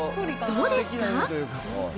どうですか？